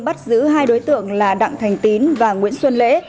bắt giữ hai đối tượng là đặng thành tín và nguyễn xuân lễ